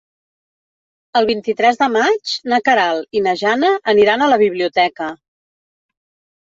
El vint-i-tres de maig na Queralt i na Jana aniran a la biblioteca.